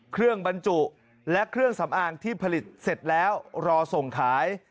บรรจุและเครื่องสำอางที่ผลิตเสร็จแล้วรอส่งขาย